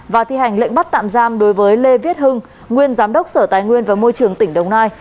và thi hành lệnh bắt tạm giam đối với lê viết hưng nguyên giám đốc sở tài nguyên và môi trường tỉnh đồng nai